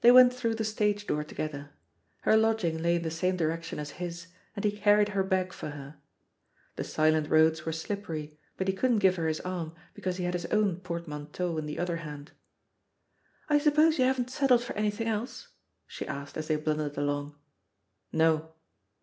They went through the stage door together. Her lodging lay in the same direction as his, and he carried her bag for her. The silent roads were slippery, but he couldn't give her his arm, because he had his own portmanteau in the other hand. "I suppose you haven't settled for anything else?" she asked as they blundered along. "No."